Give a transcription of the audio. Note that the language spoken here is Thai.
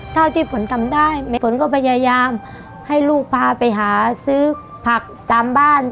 เท่าที่ผลทำได้แม่ฝนก็พยายามให้ลูกพาไปหาซื้อผักตามบ้าน